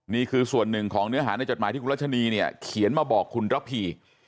นี่คือส่วนหนึ่งของเนื้อหาในจดหมายที่คุณรัชนีเนี่ยเขียนมาบอกคุณระพี